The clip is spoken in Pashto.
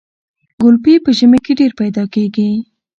ګلپي په ژمي کې ډیر پیدا کیږي.